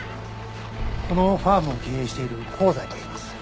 このファームを経営している香西といいます。